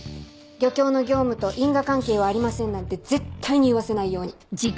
漁協の業務と因果関係はありませんなんて絶対に言わせないように。